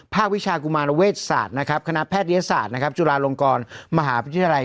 วิชากุมารเวชศาสตร์นะครับคณะแพทยศาสตร์นะครับจุฬาลงกรมหาวิทยาลัย